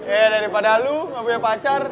eh daripada lu gak punya pacar